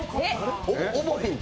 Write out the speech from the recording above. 重いんか？